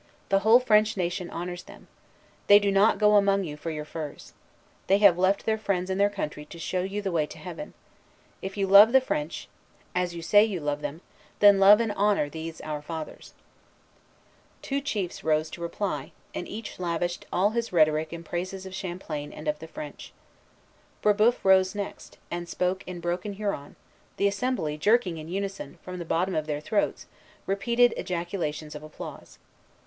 The whole French nation honors them. They do not go among you for your furs. They have left their friends and their country to show you the way to heaven. If you love the French, as you say you love them, then love and honor these our fathers." Le Jeune, Relation, 1633, 274 (Cramoisy); Mercure Français, 1634, 845. Two chiefs rose to reply, and each lavished all his rhetoric in praises of Champlain and of the French. Brébeuf rose next, and spoke in broken Huron, the assembly jerking in unison, from the bottom of their throats, repeated ejaculations of applause.